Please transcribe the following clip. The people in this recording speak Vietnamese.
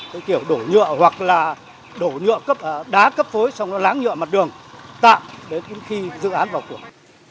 cái kiểu đổ nhựa hoặc là đổ nhựa đá cấp phối sau đó láng nhựa mặt đường tạm đến khi dự án vào cuộc